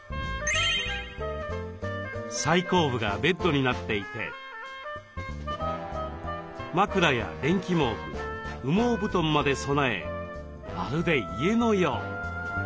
最後部がベッドになっていて枕や電気毛布羽毛布団まで備えまるで家のよう。